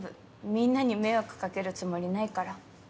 みんなに迷惑かけるつもりないから。